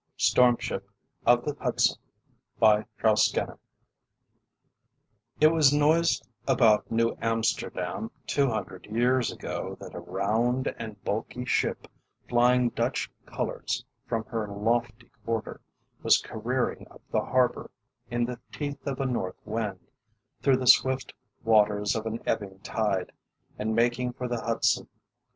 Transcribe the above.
STORM SHIP OF THE HUDSON It was noised about New Amsterdam, two hundred years ago, that a round and bulky ship flying Dutch colors from her lofty quarter was careering up the harbor in the teeth of a north wind, through the swift waters of an ebbing tide, and making for the Hudson.